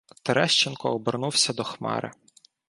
Терещенко обернувся до Хмари.